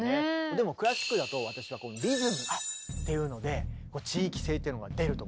でもクラシックだと私はリズムっていうので地域性っていうのが出ると思ってて。